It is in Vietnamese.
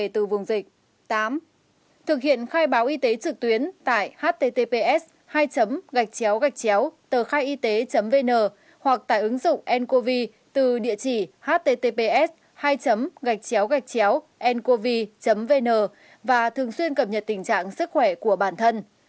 tám thực hiện khai báo y tế trực tuyến tại https tờkhaiyt vn hoặc tại ứng dụng ncovi từ địa chỉ https ncovi vn và thường xuyên cập nhật tình trạng sức khỏe của bản thân